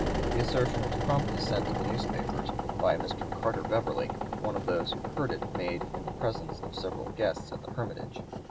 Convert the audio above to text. The assertion was promptly sent to the newspapers by a Mr. Carter Beverly, one of those who heard it made in the presence of several guests at the Hermitage.